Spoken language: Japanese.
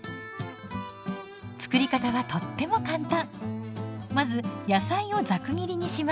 作り方はとっても簡単。